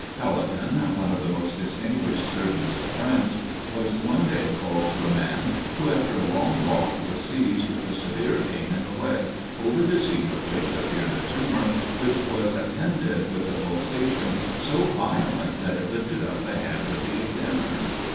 Pelletan, one of the most distinguished surgeons of France, was one day called to a man who, after a long walk, was seized with a severe pain in the leg, over the seat of which appeared a tumor, which was attended with a pulsation so violent that it lifted up the hand of the examiner.